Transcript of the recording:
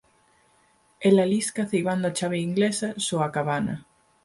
Ela lisca ceibando a chave inglesa so a cabana.